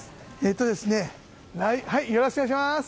よろしくお願いします。